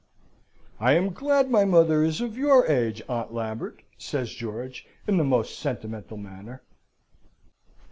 "I am glad my mother is of your age, Aunt Lambert," says George, in the most sentimental manner.